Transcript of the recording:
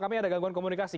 kami ada gangguan komunikasi